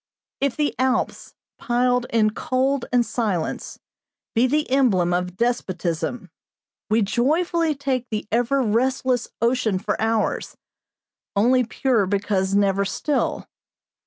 "If the Alps, piled in cold and silence, be the emblem of despotism, we joyfully take the ever restless ocean for ours, only pure because never still.